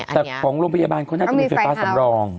แต่ของโรงพยาบาลเขาน่าจะมีไฟฟ้าสำรอง